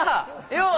よう。